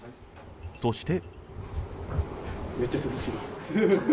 そして。